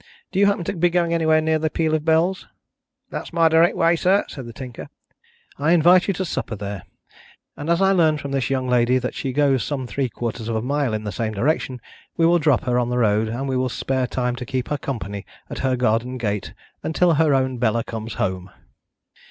Do you happen to be going anywhere near the Peal of Bells?" "That's my direct way, sir," said the Tinker. "I invite you to supper there. And as I learn from this young lady that she goes some three quarters of a mile in the same direction, we will drop her on the road, and we will spare time to keep her company at her garden gate until her own Bella comes home."